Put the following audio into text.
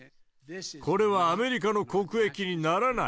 これはアメリカの国益にならない。